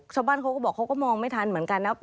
ชาวบ้านเขาก็บอกเขาก็มองไม่ทันเหมือนกันนะ